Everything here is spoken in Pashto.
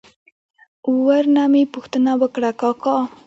ور نه مې پوښتنه وکړه: کاکا!